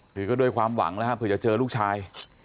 คือก็ด้วยความหวังนะครับเผื่อจะเจอลูกชาย